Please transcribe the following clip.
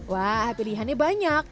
wah pilihannya banyak